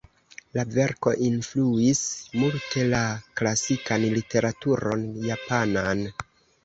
La verko influis multe la klasikan literaturon japanan.